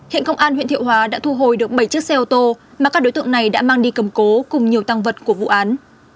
hiện công an huyện thiệu hóa đã thu hồi được bảy chiếc xe ô tô mà các đối tượng này đã mang đi cầm cố cùng nhiều tăng vật của vụ án